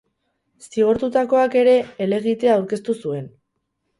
Zigortutakoak ere helegitea aurkeztu zuen.